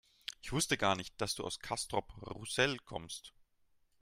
Ich wusste gar nicht, dass du aus Castrop-Rauxel kommst